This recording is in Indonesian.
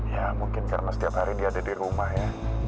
ya mungkin karena setiap hari dia ada di rumah ya